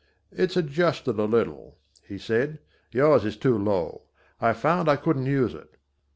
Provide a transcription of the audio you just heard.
"It's adjusted a little," he said, "yours is too low. I found I couldn't use it."